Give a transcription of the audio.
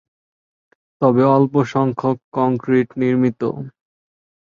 তবে অল্প সড়ক কংক্রিট-নির্মিত।